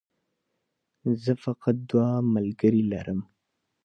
زه فقط دوه ملګري لرم